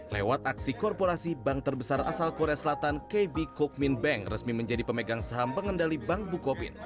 lewat aksi korporasi bank terbesar asal korea selatan kb kok min bank resmi menjadi pemegang saham pengendali bank bukopin